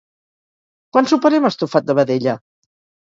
Quan soparem estofat de vedella?